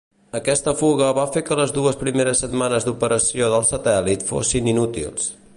Aquesta fuga va fer que les dues primeres setmanes d'operació del satèl·lit fossin inútils.